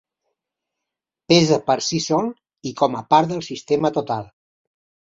Pesa per si sol, i com a part del sistema total.